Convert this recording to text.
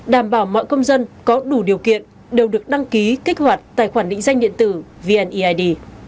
đảm bảo mọi công dân có đủ điều kiện đều được đăng ký kích hoạt tài khoản định danh điện tử vneid